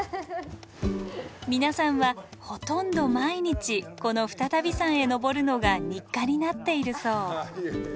皆さんはほとんど毎日この再度山へ登るのが日課になっているそう。